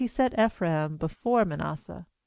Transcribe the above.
61 set Ephraim before Manasseh.